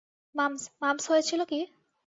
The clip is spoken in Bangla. মামস, মামস হয়েছিল কি?